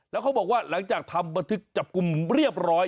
แล้วเขาบอกว่าหลังจากทำบันทึกจับกลุ่มเรียบร้อย